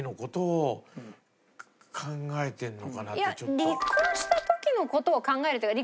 いや離婚した時の事を考えるっていうか。